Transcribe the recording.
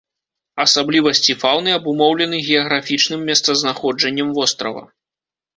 Асаблівасці фаўны абумоўлены геаграфічным месцазнаходжаннем вострава.